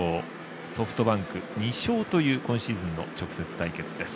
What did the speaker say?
ソフトバンク２勝という今シーズンの直接対決です。